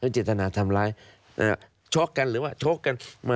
เจตนาทำร้ายชกกันหรือว่าชกกัน